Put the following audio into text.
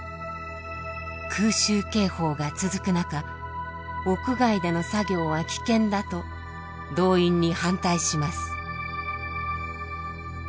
空襲警報が続く中屋外での作業は危険だと動員に反対します。